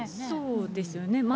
そうですね。